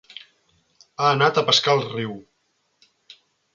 Ha anat a pescar al riu.